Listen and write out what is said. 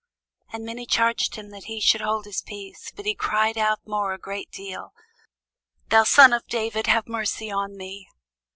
And many charged him that he should hold his peace: but he cried the more a great deal, Thou son of David, have mercy on me.